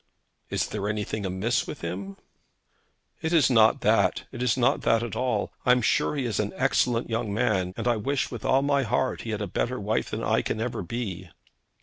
'Is there anything amiss with him?' 'It is not that. It is not that at all. I am sure he is an excellent young man, and I wish with all my heart he had a better wife than I can ever be.'